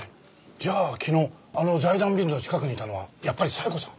じゃあ昨日あの財団ビルの近くにいたのはやっぱり冴子さん。